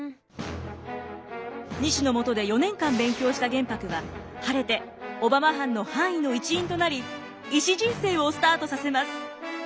西のもとで４年間勉強した玄白は晴れて小浜藩の藩医の一員となり医師人生をスタートさせます。